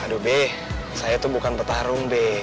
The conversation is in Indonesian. aduh be saya tuh bukan petarung be